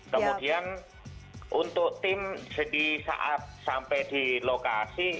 kemudian untuk tim jadi saat sampai di lokasi